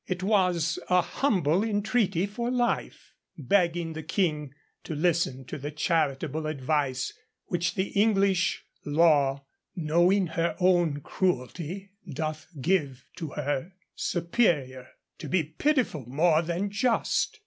It was a humble entreaty for life, begging the King to listen to the charitable advice which the English law, 'knowing her own cruelty, doth give to her superior,' to be pitiful more than just.